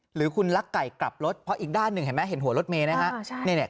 หรือคุณลักไก่กลับรถเพราะอีกด้านหนึ่งเห็นไหมเห็นหัวรถเมย์นะฮะ